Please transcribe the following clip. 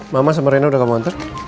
mama sama reina udah kamu hantar